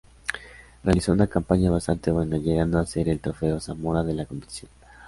Realizó una campaña bastante buena, llegando a ser el Trofeo Zamora de la competición.